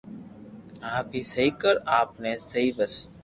آپ اي سھي ڪر آپ ني سھي بس